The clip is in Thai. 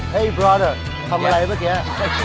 เฮ้ยพระกุ้งทำอะไรเพื่อยัง